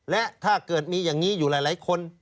และถ้าเกิดมีอย่างนี้อยู่หลายคน